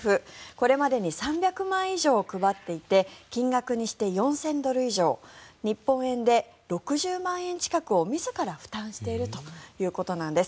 これまでに３００枚以上配っていて金額にして４０００ドル以上日本円で６０万円近くを自ら負担しているということなんです。